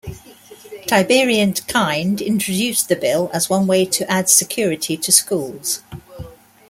Tiberi and Kind introduced the bill as one way to add security to schools.